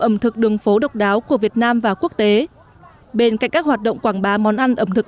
ẩm thực đường phố độc đáo của việt nam và quốc tế bên cạnh các hoạt động quảng bá món ăn ẩm thực